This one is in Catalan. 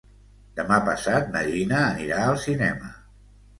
Demà passat na Gina anirà al cinema.